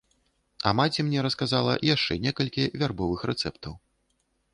А маці мне расказала яшчэ некалькі вярбовых рэцэптаў.